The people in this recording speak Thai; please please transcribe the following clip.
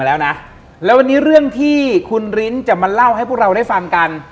แล้วนะแล้ววันนี้เรื่องที่คุณริ้นจะมาเล่าให้พวกเราได้ฟังกัน